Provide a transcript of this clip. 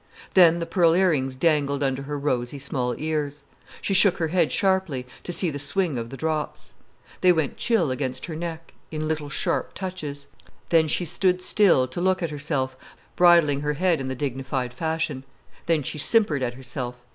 Then the pearl ear rings dangled under her rosy, small ears. She shook her head sharply, to see the swing of the drops. They went chill against her neck, in little, sharp touches. Then she stood still to look at herself, bridling her head in the dignified fashion. Then she simpered at herself.